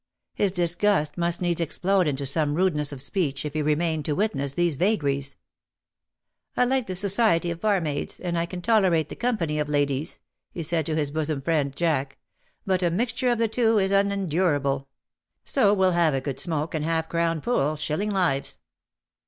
His disgust must needs explode into some rude ness of speech^ if he remained to witness these vagaries. " I like the society of barmaids^ and I can tolerate the company of ladies/'' he said to his bosom friend, Jack ;" but a mixture of the two is unendurable : so we'll have a good smoke and half crown pool^ shilling lives.